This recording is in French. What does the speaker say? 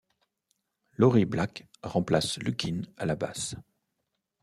Lori Black remplace Lukin à la basse.